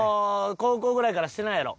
高校ぐらいからしてないやろ？